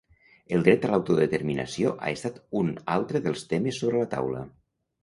El dret a l’autodeterminació ha estat un altre dels temes sobre la taula.